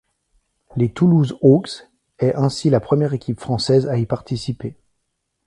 Les Toulouse Hawks est ainsi la première équipe française à y participer.